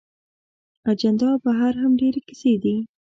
اجندا بهر هم ډېرې کیسې دي.